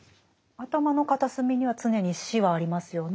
頭の片隅には常に死はありますよね。